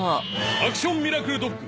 アクションミラクルドッグ